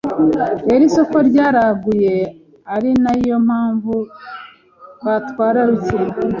rero isoko ryaraguye ari nayo mpamvu batwara ruke